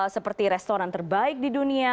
seperti restoran terbaik di dunia